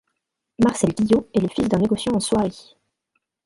Marcel Guillot est le fils d'un négociant en soieries.